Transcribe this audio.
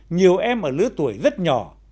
nhiều em ở lứa tuổi rất nhỏ